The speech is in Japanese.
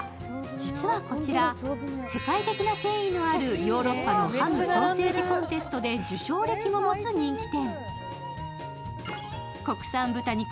実はこちら、世界的な権威のあるヨーロッパのハム・ソーセージコンテストで受賞歴も持つ人気店。